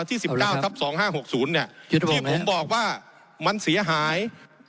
ที่ผมบอกว่ามันเสียหาย